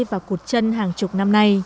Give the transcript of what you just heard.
và cột chân hàng chục năm